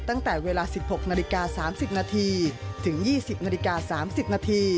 ตั้งแต่เวลา๑๖น๓๐นถึง๒๐น๓๐น